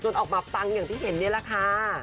ออกมาปังอย่างที่เห็นนี่แหละค่ะ